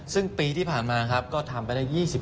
ซึ่งปีที่ผ่านมาก็ทำไปได้๒๐นะครับ